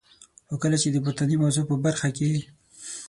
خو کله چي د پورتنی موضوع په برخه کي.